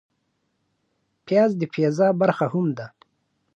پیاز د پیزا برخه هم ده